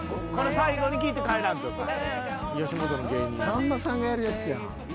さんまさんがやるやつやん。